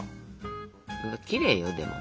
きれいよでも。